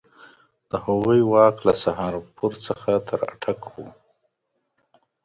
د هغوی واک له سهارنپور څخه تر اټک وو.